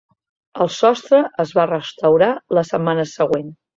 El sostre es va restaurar la setmana següent.